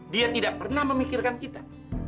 dia tidak pernah memikirkan kita